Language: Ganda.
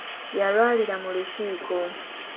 Yalwalira mu lukiiko.